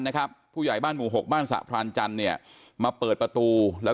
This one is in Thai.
นะครับผู้ใหญ่บ้านหมู่หกบ้านสะพรานจันทร์เนี่ยมาเปิดประตูแล้ว